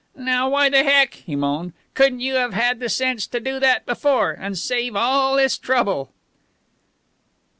"Now, why the Heck," he moaned, "couldn't you have had the sense to do that before, and save all this trouble?"